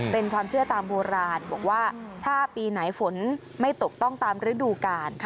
เป็นความเชื่อตามโบราณบอกว่าถ้าปีไหนฝนไม่ตกต้องตามฤดูกาล